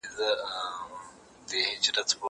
کېدای سي بوټونه ګنده وي!؟